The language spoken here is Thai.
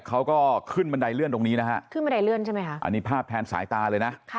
เขาก็ขึ้นบันไดเลื่อนตรงนี้นะฮะขึ้นบันไดเลื่อนใช่ไหมคะอันนี้ภาพแทนสายตาเลยนะ